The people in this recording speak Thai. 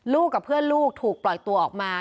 กับเพื่อนลูกถูกปล่อยตัวออกมา